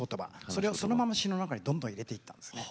それをそのまま詞の中にどんどん入れていったんですね。